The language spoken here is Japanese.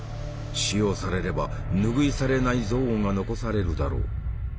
使用されれば拭い去れない憎悪が残されるだろう。